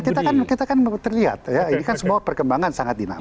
kita kan kita kan kita kan terlihat ini kan semua perkembangan sangat dinamis